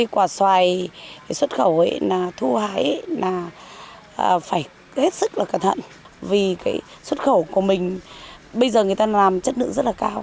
quả xoài xuất khẩu thu hái phải hết sức cẩn thận vì xuất khẩu của mình bây giờ người ta làm chất lượng rất cao